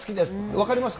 分かりますか？